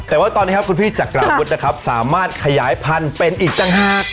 แต่ว่าตอนนี้ครับคุณพี่จักรวุฒินะครับสามารถขยายพันธุ์เป็นอีกต่างหาก